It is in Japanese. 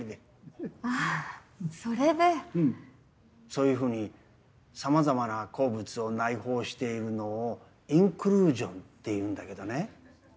そういうふうに様々な鉱物を内包しているのをインクルージョンっていうんだけどね。